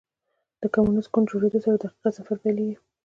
د کمونیسټ ګوند جوړېدو سره د حقیقت سفر پیلېږي.